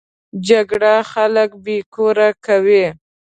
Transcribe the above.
جګړه خلک بې کوره کوي